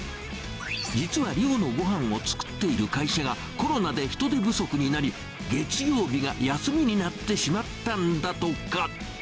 実は寮のごはんを作っている会社が、コロナで人手不足になり、月曜日が休みになってしまったんだとか。